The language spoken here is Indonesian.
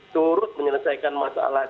turut menyelesaikan masalah